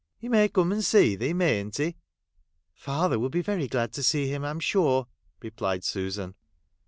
He may come and see thee, mayn't he?' ' Father will be very glad to see him, I 'm sure,' replied Susan.